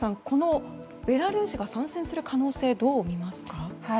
このベラルーシが参戦する可能性どう見ますか？